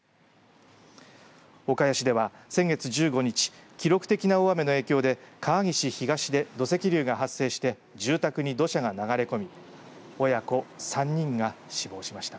岡谷市では先月１５日記録的な大雨の影響で川岸東で土石流が発生して住宅に土砂が流れ込み親子３人が死亡しました。